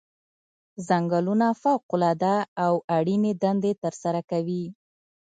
ځنګلونه فوق العاده او اړینې دندې ترسره کوي.